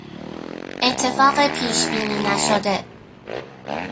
اتفاق پیش بینی نشده